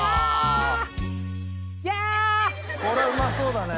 これはうまそうだね！